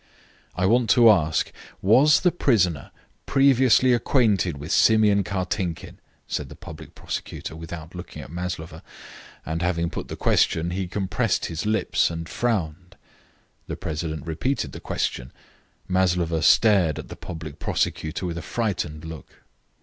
"I want to ask, was the prisoner previously acquainted with Simeon Kartinkin?" said the public prosecutor, without looking at Maslova, and, having put the question, he compressed his lips and frowned. The president repeated the question. Maslova stared at the public prosecutor, with a frightened look.